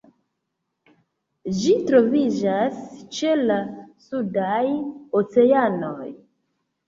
Ĝi troviĝas ĉe la sudaj oceanoj.